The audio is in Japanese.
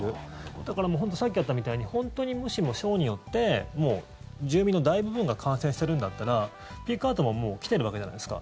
だから本当にさっきやったみたいに本当にもしも省によって住民の大部分が感染しているんだったらピークアウトももう来ているわけじゃないですか。